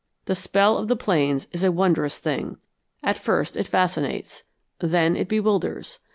The spell of the plains is a wondrous thing. At first it fascinates. Then it bewilders.